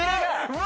うわ！